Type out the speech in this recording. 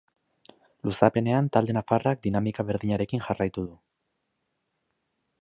Luzapenean, talde nafarrak dinamika berdinarekin jarraitu du.